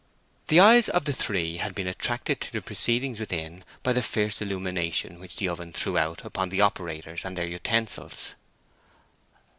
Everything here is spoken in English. The eyes of the three had been attracted to the proceedings within by the fierce illumination which the oven threw out upon the operators and their utensils.